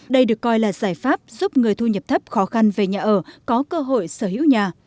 đây được coi là giải pháp giúp người thu nhập thấp khó khăn về nhà ở có cơ hội sở hữu nhà